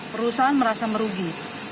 perusahaan merasa merugi